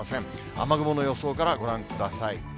雨雲の予想からご覧ください。